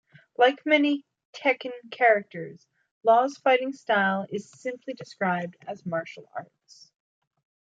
Like many "Tekken" characters, Law's fighting style is simply described as "Martial Arts".